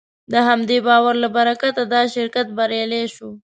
د همدې باور له برکته دا شرکت بریالی شو.